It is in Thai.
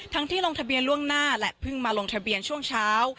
ที่ลงทะเบียนล่วงหน้าและเพิ่งมาลงทะเบียนช่วงเช้า